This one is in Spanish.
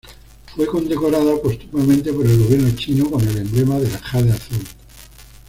Fue condecorada póstumamente por el gobierno chino con el Emblema del Jade Azul.